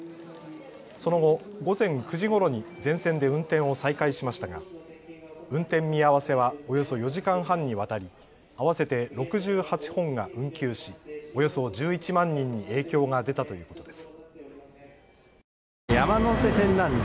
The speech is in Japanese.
その後、午前９時ごろに全線で運転を再開しましたが運転見合わせはおよそ４時間半にわたり合わせて６８本が運休しおよそ１１万人に影響が出たということです。